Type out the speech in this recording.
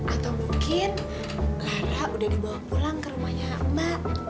atau mungkin lara udah dibawa pulang ke rumahnya mbak